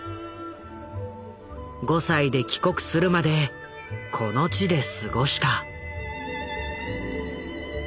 ５歳で帰国するまでこの地で過ごした。